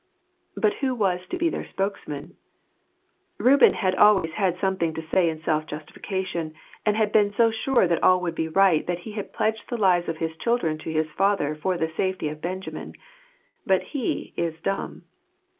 But who was to be their spokesman ? Reuben had always had something to say in self justification, and had been so sure that all would be right that he had pledged the lives , of his children to his father for the safety of Benjamin ; but he is dumb.